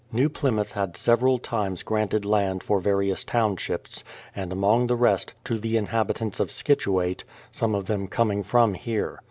New Plymouth had several times granted land for various townships, and, amongst the rest, to the in habitants of Scituate, some of them coming from here.